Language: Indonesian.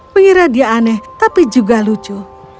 mengira dia aneh tapi juga lucu